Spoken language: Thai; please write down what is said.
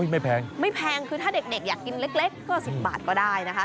ไม่แพงไม่แพงคือถ้าเด็กอยากกินเล็กก็๑๐บาทก็ได้นะคะ